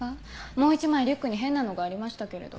もう１枚リュックに変なのがありましたけれど。